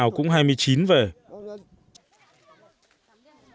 trong lễ cúng người ba dí mời thần rừng về chứng kiến